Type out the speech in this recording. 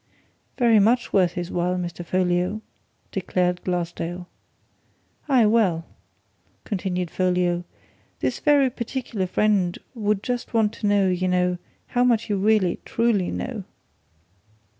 "Very much worth his while, Mr. Folliot," declared Glassdale. "Aye, well," continued Folliot. "This very particular friend would just want to know, you know, how much you really, truly know!